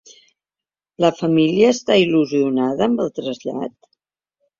La família està il·lusionada amb el trasllat?